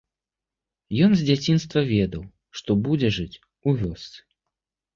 Ён з дзяцінства ведаў, што будзе жыць у вёсцы.